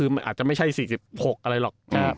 ไม่ใช่อ่าจะ๔๖อะไรหรอก